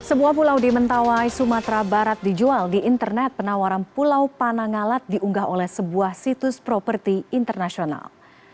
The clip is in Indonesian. sebuah pulau di mentawai sumatera barat dijual di internet penawaran pulau panangalat diunggah oleh sebuah situs properti internasional